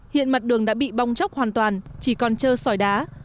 hiện mặt đường đã bị bong chóc hoàn toàn chỉ còn trơ sỏi đá